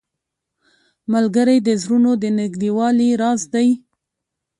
ملګری د زړونو د نږدېوالي راز دی